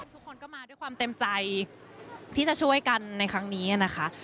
ทุกคนก็มาด้วยความเต็มใจที่จะช่วยกันในครั้งนี้นะคะ